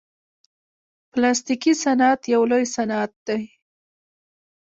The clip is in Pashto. پلاستيکي صنعت یو لوی صنعت دی.